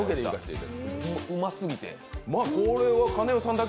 うますぎて。